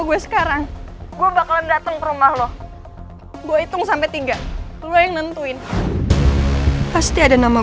gue sekarang gue bakalan datang ke rumah lo gue hitung sampai tiga dua yang nentuin pasti ada nama